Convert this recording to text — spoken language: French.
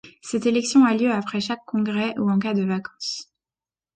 Cette élection a lieu après chaque congrès ou en cas de vacance.